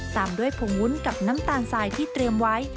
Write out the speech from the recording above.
ตามด้วยผงวุ้นกับน้ำตาลทรายที่เตรียมไว้